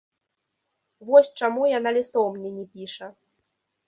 Вось чаму яна лістоў мне не піша.